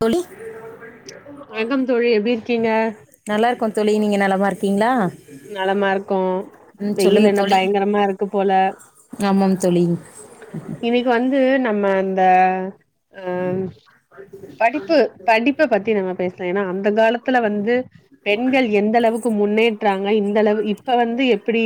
தோழி வேங்கம் தோழி எப்டி இருக்கீங்க நீ நீங்க நலமா இருக்கீங்களா நலமா இருக்கோ ம் சொல்லுங்க வெயில் என்ன தோழி பயங்கரமா இருக்கு போல ஆமாம் தோழி இன்னைக்கு வந்து நம்மம் தா அஹ்ம் படிப்பு படிப்ப பத்தி நம்ம பேசலா ஏன்னா அந்த காலத்துல வந்து பெண்கள் எந்த அளவு குமுன்னே இத்தாங்க இந்தளவு இப்ப வந்து எப்படி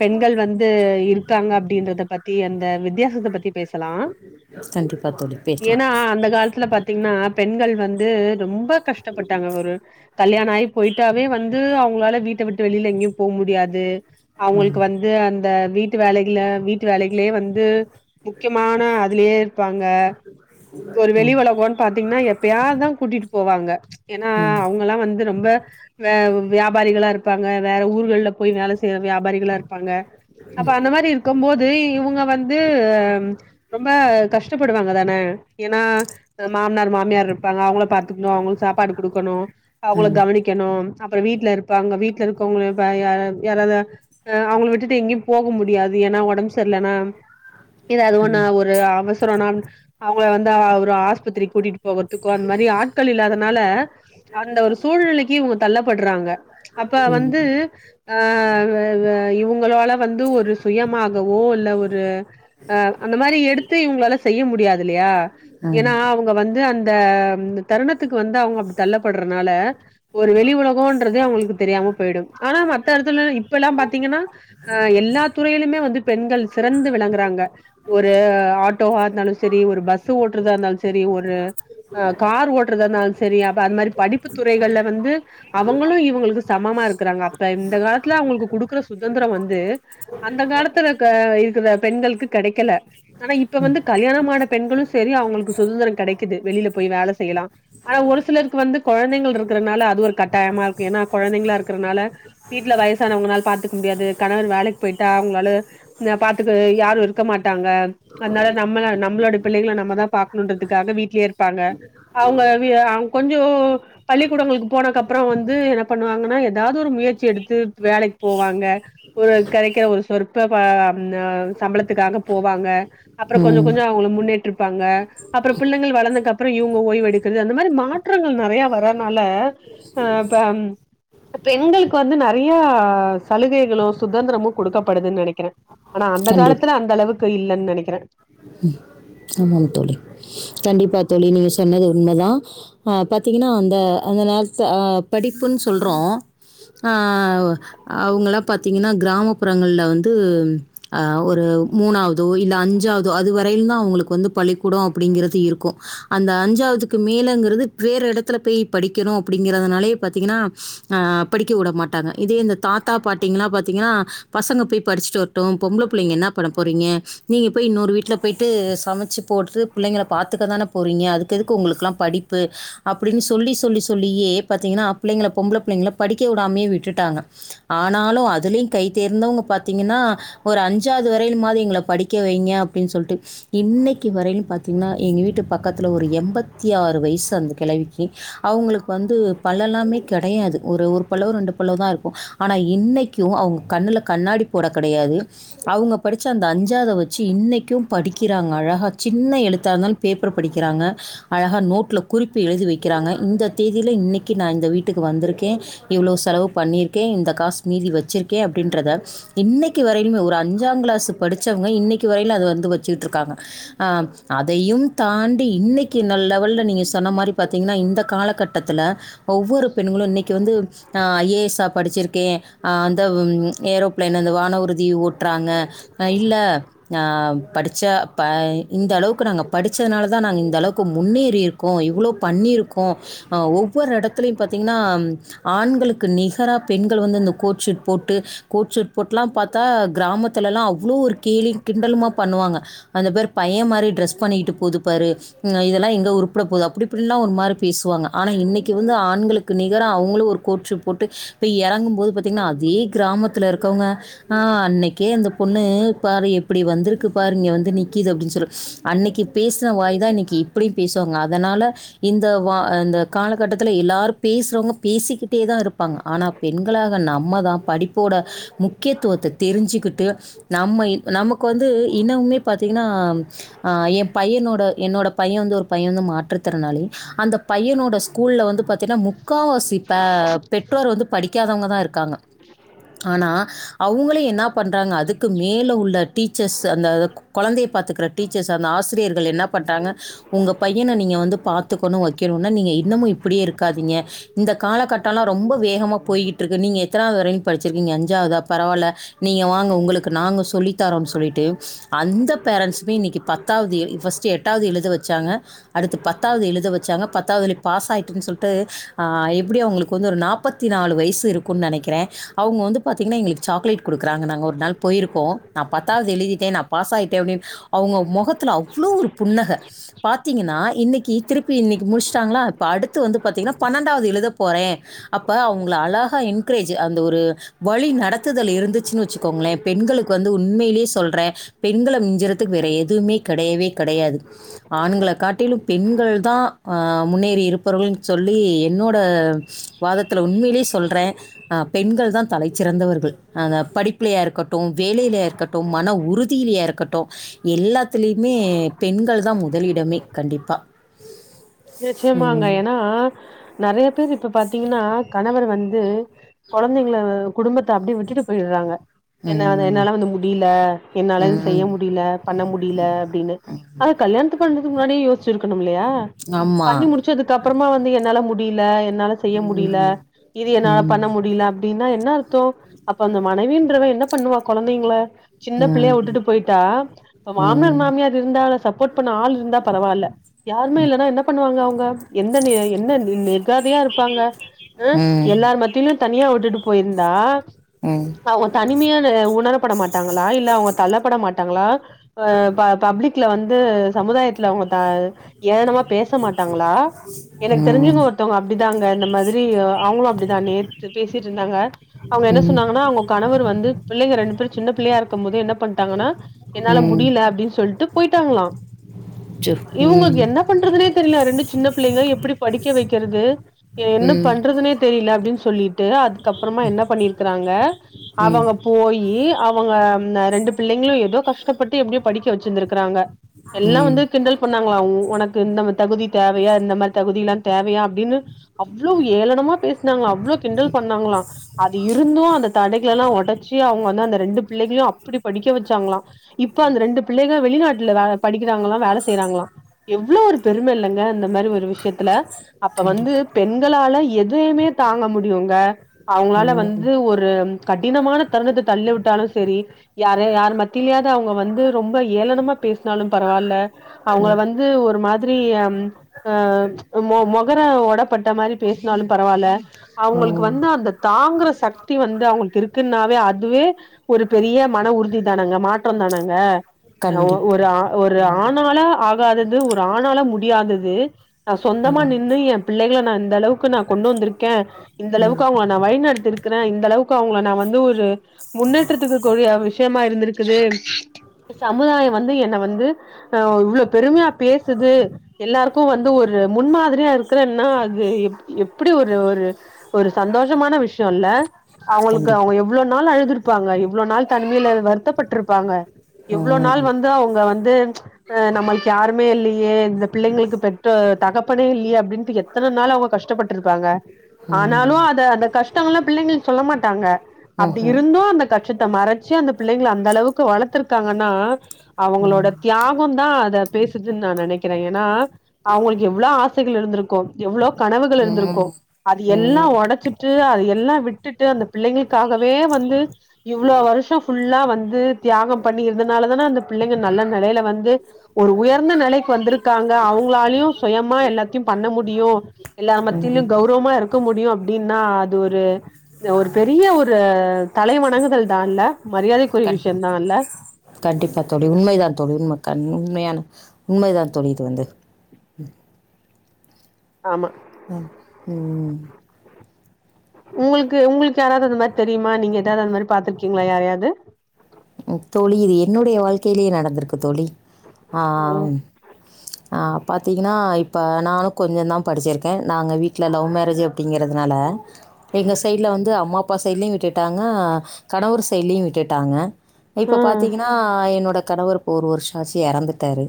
பெண்கள் வந்து இருக்காங்க அப்டின்றத பத்தி யன் த வித்யாசத்த பத்தி பேசலாம் கண்டிப்பா தோழி பேசலா ஏன்னா அந்த காலத்துல பாத்தீங்ன்னா பெண்கள் வந்து ரொம்ப கஷ்டப்பட்டாங்க ஒரு கல்யாணம் ஆயி போய்ட்டாவே வந்து அவங்களால வீட்டு ட்டு வெளில எங்கயும் போக முடியாது அவுங்களுக்கு ம் வந்து அந்த வீட்டு வேலைகள வீட்டு வேலைகளே வந்து முக்கியமான அதுலயே இருப்பாங்க ஒரு வெளி ம் ஒலகம்ன்னு பாத்தீங்கன்னா எப்பயாது தான் கூ கூட்டிட்டு போவாங்க ஏன்னா ம் அவங்கல்லாம் வந்து ரொம் ம்ப வ வியாபாரிகளா இருப்பாங்க வேற ஊர்கள்ல போய் வேல செய்ற வியாபாரிகளா இருப் பாங்க அப்ப அந்த மாரி இருக்கும்போது இவுங்க வந்து ரொம்ப கஷ்ட போடுவாங்க தான ஏன்னா மாமனார் மாமியார் இருப் பாங்க அவுங்கள பாத்துக்கணும் அவுங்களுக்கு சாப்பாடு குடுக்கணும் அவங்கள ம் கவனிக்கணும் அப்புறம் வீட்ல இருப்பாங்க வீட்ல இருக்கவங்க ப யா யாராவது அவங்கள விட்டுட்டு எங்கயும் போக முடியாது ஏன்னா உடம்பு சரியில்ன்னா இது அதுவு ஒண்ணு ஒரு அவசரம் நா ஆ வந்து ஆஹ் ஒரு ஆஸ்பத்திரிக் கூட்டிட்டு போ போகற்துக்கோ அந்த மாரி ஆட்கள் இல்லாதனால அந்த ஒரு சூழ்நிலைக்கு இவுங்க தள்ளப்படுறாங்க அப்ப ம் வந்து ஆஹ் இவ இவ இவுங்களால வந்து ஒரு சுயமாகவோ இல்ல ஒரு ஆஹ் அந்த மாரி எடுத்து இவுங்களால செய்ய முடியாது இல்லயா ஏன்னா ம் அவுங்க வந்து அந்த அந்த தருணத்துக்கு வந்து அவுங்க அப்டி தள்ள படுறனால ஒரு வெளி உலகம்ன்றதே அவுங்களுக்கு தெரியாம போயிடும் ஆனா மத்த இடத்துல இப்பெல்லாம் பாத் தீங்கன்னா ஆஹ் எல்லா துறையிலுமே வந்து பெண்கள் சிறந்து விளங்குறாங்க ஒரு ஆட்டோவா இருந்தாலும் சரி ஒரு பஸ்ஸு ஓட்றதா இருந்தாலும் சரி ஒரு ஆஹ் கார் ஓட்றதா இருந்தாலும் சரி அப்ப அது மாரி படிப்பு துறைகள்ல வந்து அவங்களும் இவங்களுக்கு சமமா இருக்குறாங்க அப்ப இந்த காலத்துல அவுங்களுக்கு குடுக்குற சுதந்திரம் வந்து அந்த காலத்துல இருக்க இருக்கிற பெண்களுக்கு கெடைக்கல ஆனா இப்ப வந்து கல்யாணம் ஆன பெண்களும் சரி அவுங்களுக்கு சுதந்திரம் கெடைக்குது வெளில போய் வேல செய்யலாம் ஆனா ஒரு சிலருக்கு வந்து கொழந்தைகள் இருக்கறனால அது ஒரு கட்டாயமா இருக்கும் ஏன்னா கொழந்தைங்களா இருக்கறனால வீட்ல வயசானவங்களால பாத்துக்க முடியாது கணவர் வேலைக்கு போய்ட்டா அவங்களால பாத்துக்க யாரும் இருக்க மாட்டாங்க அதனால நம்மள நம்ம நம்ளோட பிள்ளைகள நம்ம தான் பாக்கணுன்றதுக்காக வீட்லயே இருப்பாங்க அவுங்க வீ அங் கொஞ்சம் பள்ளிக்கூடங்களுக்கு போனக்கப்புறம் வந்து என்ன பண்ணுவாங்கன்னா ஏதாவது ஒரு முயற் சி எடுத்து வேலைக்கு போவாங்க ஒரு கெடைக்கிற ஒரு சொர் இப்ப ப சம்பளத்துக்காக போவாங்க அப்ற கொஞ்ச ம் கொஞ்ச அவுங்குள முன்னே ட்ருப்பாங்க அப்புற புள்ளைங்கள் வளந்தக்க அப்ற இவுங்க ஓய்வு எடுக்குற்து அந்த மாரி மாற்றங்கள் நறயா வரனால அ இப்ப பெண்கள்க் வந்து நறையா சலுகைகளு சுதந்ரமு குடுக்கப்படுது நெனக்கிற அனா அந்த கண்டிப் காலத்துல அந்த அளவுக் கு இல்லன் நெனக்கிற அமாம் தோழி கண்டிப்பா தோழி நீங்க சொன்னது உண்மதா அ பாத்தீங்னா அந்த அந்த நேரத்த அ படிப்புன் சொல்றோ ஆ ஒ அவுங்கலா பாத்தீங்கனா கிராமப்புறங்கள் ல வந்து அ ஒரு மூணாவ்தோ இல்ல அஞ்சாவ்தோ அதுவரையில்தா அவங்ளு கொந்து பள்ளிக்கூடோ அப்புடிங்கிறது இருக்கு அந்த அஞ்சாவ்துக்கு மேலங்குறது வேற எடத்துல பேய் படிக்கனு அப்புடிங்கிறதுனாலே பாத்திங்கனா அ படிக்க உடமாட்டாங்க இதே இந்த தாத்தா பாட்டிங்ளா பாத்திங்கனா பசங்க பேய் படிச்சிட்டு வர்ட்டு பொம்ள புள்ளைங்க என்னா பண்ண போறிங்க நீங்க போய் இன்னொரு வீட் ட்ல பொய்ட்டு மச்சு போட்டு புள்ளைங்கள பாத்துக்கதான போறீங்க அதுக்கு எதுக்கு ஒங்ளுக்குலா படிப்பு அப்புடின் சொல்லி சொல்லி சொல்லியே பாத்தீங்ன்னா பிள்ளைங்ள பொம்ள பிள்ளைங்ள படிக்க உடாம்யே விட்டுட்டாங்க ஆனாலு அதுலி கைத்தேர்ந்தவுங்க பாத்தீங்கனா ஒரு அஞ்சாது வரையிலிமாது எங்ள படிக்க வைங்க அப்டின் சொல்ட்டு இன்னக்கி வரைலு பாத்தீங்னா எங்கெ வீட்க் பக்கத்ல ஒரு எம்பத்திஆறு வய்சு அந் கிளவிக்கி அவுங்ளுக்கு வந்து பல்லலாமே கெடயாது ஒரு ஒரு பல்லோ ரெண்டு பல்லோதா இருக்கு அனா இன்னைக்கு அவுங்க கண்ணுல கண்ணாடி போடக் கடையாது அவுங்க படிச்ச அந்த அஞ்சாத வச்சு இன்னக்கு படி கிறாங்க அழகா சின்ன எழுத்தா இருந்தாலு பேப்பர் படிக்கிறாங்க அழகா நோட்ல குறிப்பு எழுதி வக்கிறாங்க இந்த தேதில இன்னக்கி நா இந்த வீட்டுக்கு வந்துருக்கே இவ்ளோ செலவு பண்ணிருக்கே இந்த காஸ் மீதி வச்சிர்க்கே அப்டின்றத இன்னக்கி வரயிலுமே ஒர் அஞ்சாங்ளாஸு படிச்சவ்ங்க இன்னக்கி வரையில அது வந்து வ சிகிட்ருக்காங்க அ அதையும் தாண்டி இன்னக்கி நல் லெவல்ல நீங்க சொன்ன மாரி பாத்தீங்ன்னா இந்த காலகட்டத்துல ஒவ்வொரு பெண்ணுகளு இன்னக்கி வந்து அ ஏ சா படிச்சிருக்கே ஆ அந்த ஏரோப்ளேன் அந்த வான உறுதி ஓட்றாங்க ஆ இல்ல ஆ அ ப இந்த அளவுக்கு நாங்க படிச்சதுனா னால்தா நாங் இந்த அளவுக்கு முன்னேறி இருக்கோ இவ்ளோ பண்ணிருக்க அ ஒவ்வொரு எடத்துலையு பாத்தீங்னா ஆண்களுக்கு நிகரா பெண்கள் வந்து இந்த கோட்ஷீட் போட்டு கோட்ஷீட் போட்லா பாத்தா க்ராமத்துலல்லா அவ்ளோ ஒரு கேலியு கிண்டலுமா பண்ணுவாங்க அந்த பாரு பைய மாரி ட்ரெஸ் பண்ணியிட்டு போது பாரு ம் இதெல்லா எங்க உருப்ட போது அப்டி இப்டிலா ஒரு மாரி பேசுவாங்க ஆனா இன்னக்கி வந்து ஆண்களுக்கு நிகரா அவுங்களு ஒரு கோட்ஷுட் போட்டு பொய் எறங்கும் போது பாத்தீங்னா அதே க்ராமத்துல இருக்கவுங்க நா அன்னைக்கே அந்த பொண்ணு பாரு எப்டி வந்த்ருக்கு பாரு இங்க வந்து நிக்கிது அப்டின் சொலு அன்னக்கி பேஸ்ன வாய் தா இன்னக்கி இப்டியு பேசுவாங்க அதனால இந்த வா ஆ இந்த காலகட்டத்துல எல்லாரு பேசுறவங்க பேசிக்கிட்டே தா இருப்பாங்க ஆனா பெண்களாக நம்ம தா படிப்போட முக்கியத்துவத்த தெரிஞ்சுக்கிட்டு நம்ம எ நமக்கு வந்தூ இன்னவ்மே பாத்தீங்கன்னா ஆ எ பையனோட என்னோட பைய வந்து ஒரு பைய வந்து மாற்று திறனாலி அந்த பையனோட ஸ்கூல்ல வந்து பாத்தீனா முக்காவாசி பே பெற்றோர் வந்து படிக்காதவங்க தா இருக்காங்க ஆனா அவ்ங்களே என்னாப் பண்றாங்க அதுக்கு மேல உள்ள டீச்சர்ஸ் அந்த த கொழந்தைய பாத்துக்குற டீச்சர்ஸ் அந்த ஆசிரியர்கள் என்னாப் பண்றாங்க உங்க பையன நீங்க வந்து பாத்துக்கணு வைக்கணுன்னா நீங்க இன்னமு இப்டியே இருக்காதீங்க இந்த காலாக்கட்டல்லா ரொம்பொ வேகமா போய்கிட்ருக்கு நீங்க எத்தனாவ்து வரைலியு படிச்சிருக்கீங்க அஞ்சாவ்தா பரவா இல்ல நீங்க வாங்க உங்களுக்கு நாங்க சொல்லி தரோன் சொல்லிட்டு அந்த பேரன்ஸ்மே இன்னக்கி பத்தாவ்து எ ஃபஸ்ட்டு எட்டாவது எழுத வெச்சாங்க அடுத்து பத்தாவ்து எழத வெச்சாங்க பத்தாவ்துலயு பாஸ் ஆயிட்டன் சொல்ட்டு ஆ எப்டியு அவ்ங்களுக்கு வந்து ஒரு நாப்பத்தி நாலு வயசு இருக்குன் நெனக்கிறே அவ்ங்க வந்து பாத்தீங்கன்னா எங்களுக் சாக்லேட் குடுக்குறாங்க நாங்க ஒரு நாள் போயிருக்கோ நா பத்தாவ்து எழுதி நா பாஸ் ஆய்ட்டே அப்டின் அவ்ங்க மொகத்துல அவ்ளோ ஒரு புன்னக பாத்தீங்கன்னா இன்னக் கி திருப்பி இன்னக்கி முடிஷ்ட்டாங்ளா இப்ப அடுத்து வந்து பாத்தீங்கன்னா பன்னெண்டாவ்து எழுத போறே அப்ப அவ்ங்கள அழஹா என்க்ரேஜு அந்த ஒரு வழி நடத்துதல் இருந்துச்சுனு வச்சுக்கோங்ளே பெண்களுக்கு வந்து உண்மையிலயே சொல்றே பெண்கள மிஞ்சறத்துக் வேற எதுவுமே கெடையவே கடையாது ஆண்கள காட்டிலு பெண்கள் தா ஆ முன்னேறி இருப்பரவகள்ன் சொல்லி என்னோட வாதத்துல உண்மையிலயே சொல்ற ஆ பெண்கள் தா தலைச்சிறந்தவர்கள் அதா படிப்புலையா இருக்கட்டு வேலையிலையா இருக்கட்டும் மன உறுத் திலியா இருக்கட்டு எல்லாத்துலயிமே பெண்கள் தா முதலிடமே கண்டிப்பா நிச்சயமாங்க ஏன்னா நறைய பேர் இப்ப பாத்தீங்கன்னா கணவன் வந்து கொழந்தைங்கள அ குடும்பத் த்த அப்படி விட்டுட்டு போயிடறாங்க என்ன ம் என்னால வந்து முடியல என்னால செய்ய ம் முடியல பண்ண முடியல அப்படின்னு அத கல்யாணத்து பண்றதுக்கு முன்னாடியே யோசிச் இருக்கனு மில்லையா பண்ணி ஆமாம் முடிச்சதுக்கு அப்புறமா வந் து என்னால மு முடியல என்னால செய்ய முடியல இது என்னால ம் பண்ண முடியல அப்டின்னா என்ன அர்த்தோ அப்ப அந்த மனைவி என்றவ என்ன பண்ணுவா கொழந்தைங்கள சின்ன புள்ளைய ம் வுட்டுட்டு போயிட்டா மாமனார் ம் மாமியார் இருந்தால சப்போட் பண்ண ஆள் இருந்தா பரவால யாருமே இல்லன்னா என்ன வாங்க அவங்க எந்த என்ன நி தனியா இருப்பாங்க ஹ ம் எல்லார் மத்தியிலு தனியா விட்டுட்டு போய்ந்தா ம் அவங்க தனிமையா உணரப்பட மாட்டாங்களா இல்ல அவங்க தள்ளப்பட மாட்டாங்களா அஹ் பப்ளிக்ல வந்து சமுதாயத்துல அவுங்க தால் ஏன் நம பேச மாட்டாங்களா எனக்கு தெரிஞ்சவங்க ம் ஒருத்தவங்க அப்டிதாங்க இந்த மாதிரி அவங்களு அப்படிதா நேத்து பேசிட்டு இருந்தாங்க அவங்க என்ன ம் சொன்னாங்கன்னா அவங்க கணவர் வந்து பிள்ளைங்க ரெண்டு பேரும் சின்ன பிள்ளையா இருக்கும் போதே என்ன பண்ணிட்டாங்கனா என்னால ம் முடியல அப்டின்னு சொல்லிட்டு போயிட்டாங்ளா ஜ்ஹூம் தெரில ரெண்டு சின்ன பிள்ளைங்க எப்படி படிக்க வைக்கிறது. என்ன ம் பண்றதுனே தெரில. அப்படின்னு சொல்லிட்டு அதுக்கப்புறமா என்ன பண்ணிருக்கிறாங்க. ம் ம் அவங்க போய் அவங்க ரெண்டு பிள்ளைங்களு எதோ கஷ்டப்பட்டு எப்படியோ படிக்க வச்சிருந்திருக்கிறாங்க. எல்லா ம் வந்து கிண்டல் பண்ணாங்ளா உனக்கு நம்ம தகுதி தேவையா இந்த மாதிரி தகுதி எல்லா தேவையா அப்டின்னு அவ்ளவு ஏளனமா பேசு னாங்களா அவ்ளோ கிண்டல் பண்ணாங்ளா அது இருந்து அந்த தடைக் ல்லாம் ஒடச்சி அவங்க வந்து அந்த ரெண்டு பிள்ளைகளையு அப்படி படிக்க வெச்சாங்களா இப்ப அந்த ரெண்டு பிள்ளைக வெளிநாட்டுல வே படிக்கிறாங்களா வேல செய்யறாங்களா எவ்வளோ ஒரு பெரும இல்லங்க இந்த மாரி ஒரு விஷயத்துல அப்ப வந்து கண்டிப்பா பெண்களால எதயுமே தாங்க முடியுங்க. அவுங்களால ம் வந்து ஒரு ம் கடினமான தருணத்த தள்ள விட்டாலு செரி யாரு யாரு மத்திலயாது அவுங்க வந் ந்து ரொம்ப ஏலனமா பேசுனாலு பரவால்ல அவுங்ள வந் மாதிரி எம் அ மொ-மொகர வோட தொட்ட மாரி பேஸ்னாலு பரவால அவுங்களுக்கு ம் வந்து அந்த தாங்குற சக்தி வந்து அவுங்களுக் இருக்குன்னாவே அது அதுவே ஒரு பெரிய மன உறுதி தானங்க மாற்றந்தானங்க அ ஓ கண்டிப்பா ஒரு ஆ ஒரு ஆனாள ஆ வாதது ஒரு ஆணால முடியாதது நா சொந்தமா ம் நின்னு எ பிள்ளைங்ள நா அந்த அளவுக்கு நா கொண்டு வந்துருக் கே இந்தளவுக்கு ம் அவுங்க நா வழிநடத்திருக் ருக்கிறே இந்த அளவுக்கு அவுங்ல நா வந்து ஒரு முன்னேற்றத்துக்கு கூரிய விஷ்யமா ஆ இருந்திருக்குது சமுதாயோ வந்து என்ன வந்து இவ்ளோ பெருமையா பேசுது எல்லாருக்கு வந்து ஒரு முன்மாதிரியா இருக்கறன்னா அது எப்டி ஒரு ஒரு ஒரு சந்தோஷமான விஷயோல அவுங்ளுக்கு கண்டிப்பா அவுங்க எவ்ளோ நாள் அழுது இருப்பாங்க இவ்ளோ நாள் தனிமைல வருத்தப்பட்ருப்பாங்க எவ்ளோ நாள் ம் வந்து அவுங்க வந்து அஹ் நம்ம ஒன்னுமே இல்லியே இந்த பிள்ளைங்களுக்கு பெத்த தகப்பனே இல்லியே அப்டின்னு எத்தன நாளா அவுங்க கஷ்டபட்ருப்பாங்க ஆனாலு ம் அத அந்த கஷ்டலெல்லா பிள்ளைங்க சொல்ல மாட்டாங்க அப்டி ம்ஹ்ம் இருந்து அந்த கஷ்டத்த மறச்சி அந்த பிள்ளைங்கள அந்த அளவுக்கு வளத்திருக்காங்கன்னா அவுங்களோட ம் தியாகம் தா அத பேசுதுன்னு நா நெனைகிற ஏன்னா அவுங்ளுக்கு எவ்ளோ ஆசைகள் இருந்திருக் இருக்கோ எவ்ளோ கனவுகள் ம் இருந்துருக்கு ம் அது எல்லா ம் உடச்சிட்டு அது எ எல்லா விட்டுட்டு அந்த பிள்ளைங்களுகாகவே வந்து இவ்ளோ வருஷோ ஃபுல்லா வந்து தியாகம் பண்ணி இருந்தனால தான அந்த பிள்ளைங்க நல்ல நெலையில வந்து ஒரு உயர்ந்த நெலைக்கு வந்திருக்காங்க அவங்ளாலையு சுயமா எல்லாத்தையு பண்ண முடியும் எல்லா மத்தியிலும் கௌரமா இருக்க முடியும் அப்டி அப்டின்னா அது ஒரு ந்த ஒரு பெரிய ஒரு தலை வணங்குதல் தான்ல்ல மரியாதைக்குரிய கண் விஷயம் தான்ல்ல கண்டிப்பா தோழி உண்மைதான் தோழி உண்ம கண் உண்மையான உண்மைதா தோழி இது வந்து ம் ஆமா உம் உங்ளுக்கு உங்ளுக்கு யாராவது அது மாரி தெரியுமா நீங்க எதாவது அந்த மாரி பாத்துருகீங்களா யாரையாது உம் தோழி இது என்னுடைய வாழ்கையிலையே நடந்திருக்கு தோழி ம் ஆஹ்ஹா ஆஹ் பாத்தீங்ன்னா இப்போ நானு கொஞ்சோ தா படிச்சிருக நாங்க வீட்ல லவ் மேரேஜ் அப்டிங்கிறதுனால எங்க சைடுல வந்து அம்மா அப்பா சைடுலயையு விட்டுடாங்க கணவர் சைடுலயையு விட்டுடாங்க இப்ப ஆ பாத்தீங்ன்னா என்னோட கணவர் இப்ப ஒரு வருஷோ ஆச்சி எறந்துட்டாரு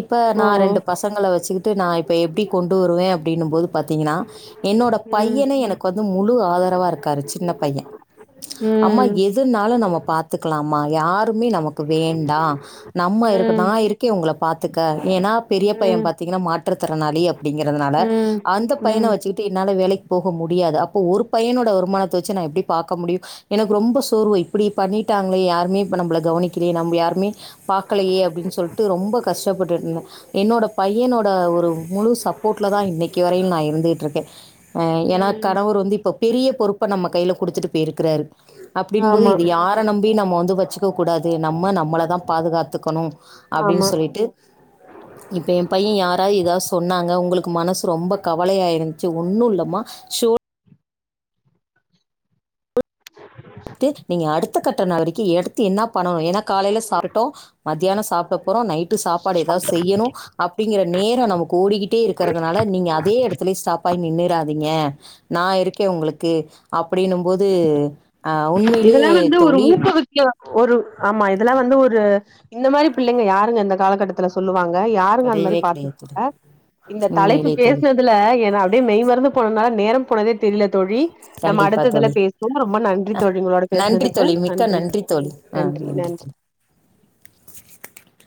இப்ப ஓ நா ரெண்டு பசங்கள வெச்சுக் நா இப்ப எப்டி கொண்டு வருவே அப்டினு போது பாத்தீங்ன்னா என்னோட ம் பையனே எனக்கு வந்து முழு ஆதரவா இருக்காரு சின்ன பையன் அம்மா ம் எதுனாலு நம்ம பாத் லாமா யார் டுமே நமக்கு வேண்டா நம்ம இருக் ம் நா இருக்கே உங்க பாத்துக்க ஏன்னா பெரிய பையன் ம் பாத்தீங்கன்னா மாற்றுத்திறனாளி அப்டிங்கிறதுனால ம் அந்த பையன ம் வெச்சிகிட்டு என்னால வேலைக் போக முடியாது அப்போ ஒரு பையனோட வருமானத்த வெச்சு நா எப்டி பாக்க முடியு எனக்கு ரொம்ப சோர்வு இப்டி பண்ணிட் விட்டாங்ளே யாருமே இப்ப நம்பள கவனிக்கிலையே நம்ப யாருமே பாக்கலையே அப்டின்னு சொல்டு ரொம்ப கஷ் த்தபட்டு இருந்த என்னோட பையனோட ஒரு முழு சப்போர்ட்ல தா இன்னிக்கி வரையில் நா இருந்துகிட்டு இருக்கே ஆ எனா ம் கணவர் வந்து இப்ப பெரிய பொறுப் இப்ப நம்ம கையில குடுத்துட்டு போயிருக்கிறாரு அப்படிங் போது ஆமா இது யா நம்பி நம்ம வந்து வெச்சுக்கக் கூடாது நம்ம நம்மள தா பாதுகாத்துக்கணு ஆமா அப்டின்னு சொல்லிட்டு இப்ப எ பைய யாராது ஏதாது சொன்னாங்க உங்களுக்கு மனசு ரொம்ப கவலையாயிருக்கு இது ஒண்ணு இல்லமா சோ த்து நீங்க அடுத் கட்டண வரைக்கு எடுத் த்து என்னா பண்ணணு ஏன்னா காலைல சாப்ட்டுட்டோ மதியானோ சாப்ட அப்புறோ நைட்டு சாப்பாடு ஏதாவது செய்யணோ அப்டீங்குற நேரோ நமக்கு ஓடிக்கிட்டே இருக்கிறதுனால நீங்க அதே எடத்துல ஸ்டாப்பாயி நின்னுறாதீங்க நா இருக்கே உங்களுக்கு அப்படி னும் போது இதலா வந்து ஒரு ஊக்குவிக்க ஒரு ஆமா இதெல்லா வந்து ஒரு இந்த மாரி பிள்ளைங்க யாருங்க இந்த காலக்கட்டத் சொல்லுவாங் யாருங்க அந்த மாதிரி கிடையவே பார்த்தங்க கிடையாது தோழி இந்த தலைப்பு உண்மையிலேயே தோழி பேசினதுல என் அப்படியே மெய் மருந்து போனதால நேர போனதே தெரியல தோழி நம்ம கண்டிப்பாக அடுத்ததுல தோழி பேசுவோம் ரொம்ப நன்றி தோழி உங்களோட நன்றி பேசுனதுக்கு தோழி மிக்க நன்றி தோழி ஆ நன்றி ம்